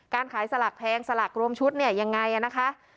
การขายสลากแพงสลากรวมชุดเนี่ยยังไงนะคะ